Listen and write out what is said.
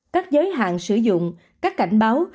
các giới hạn sử dụng các cảnh báo